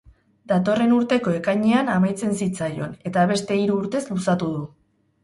Datorren urteko ekainean amaitzen zitzaion eta beste hiru urtez luzatu du.